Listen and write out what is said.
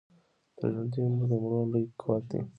تر ژوندیو مو د مړو لوی قوت دی